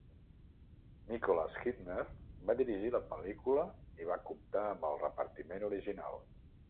Nicholas Hytner va dirigir la pel·lícula i va comptar amb el repartiment original.